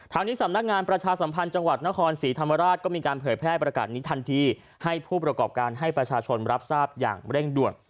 ทางนี้สำนักงานประชาสัมพันธ์จังหวัดนครศรีธรรมราชก็มีการเผยแพร่ประกาศนี้ทันทีให้ผู้ประกอบการให้ประชาชนรับทราบอย่างเร่งด่วน